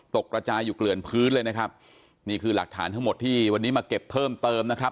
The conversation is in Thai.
กระจายอยู่เกลื่อนพื้นเลยนะครับนี่คือหลักฐานทั้งหมดที่วันนี้มาเก็บเพิ่มเติมนะครับ